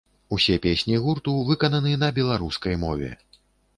Усе песні гурту выкананы на беларускай мове.